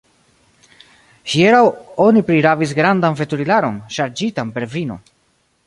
Hieraŭ oni prirabis grandan veturilaron, ŝarĝitan per vino.